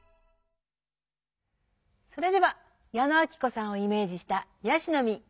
それでは矢野顕子さんをイメージした「椰子の実」